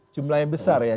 jumlah yang besar ya